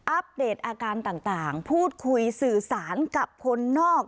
อัปเดตอาการต่างพูดคุยสื่อสารกับคนนอก